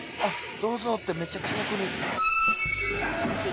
どうぞってめっちゃ気さくに。